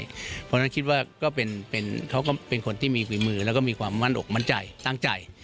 เพราะฉะนั้นคิดว่าก็เป็นเขาก็เป็นคนที่มีฝีมือแล้วก็มีความมั่นอกมั่นใจตั้งใจ